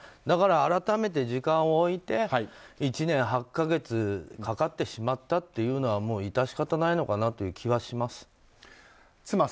だから改めて時間を置いて１年８か月かかってしまったというのはもう致し方ないのかなって気はします。